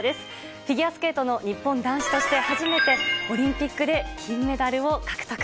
フィギュアスケートの日本男子として初めてオリンピックで金メダルを獲得。